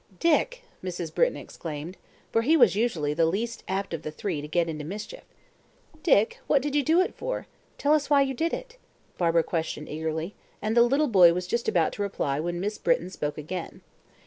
"Dick!" Mrs. Britton exclaimed, for he was usually the least apt of the three to get into mischief. "Dick, what did you do it for? Tell us why you did it?" Barbara questioned eagerly, and the little boy was just about to reply when Miss Britton spoke again.